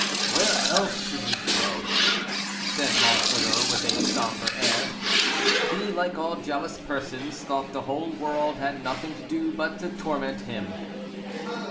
"Where else should he go?" said Monsoreau, with a somber air. He, like all jealous persons, thought the whole world had nothing to do but to torment him.